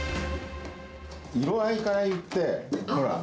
色合いからいって、ほら！